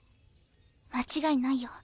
間違いないよ。